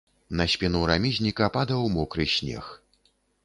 На спіну рамізніка падаў мокры снег.